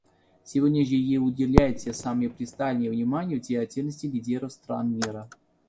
Сегодня же ей уделяется самое пристальное внимание в деятельности лидеров стран мира.